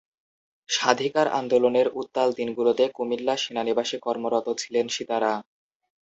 স্বাধিকার আন্দোলনের উত্তাল দিনগুলোতে কুমিল্লা সেনানিবাসে কর্মরত ছিলেন সিতারা।।